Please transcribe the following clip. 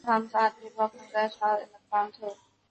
光化学合成是指在光的作用下进行的化合物合成研究。